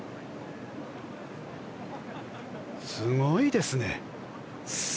すごいですね、中島。